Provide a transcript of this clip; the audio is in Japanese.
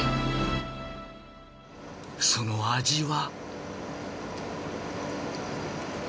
その味は？